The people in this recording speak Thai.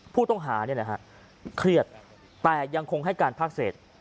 ผู้ต้องหาเครียดแต่ยังคงให้การภาคเศษ